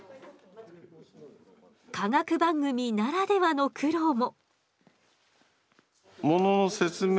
科学番組ならではの苦労も。